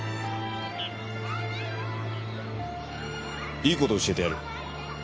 いい事教えてやる。